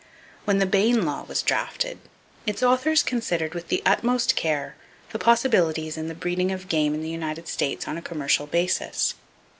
When the Bayne law was drafted, its authors considered with the utmost care the possibilities in the breeding of game in the United States on a commercial basis.